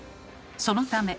そのため。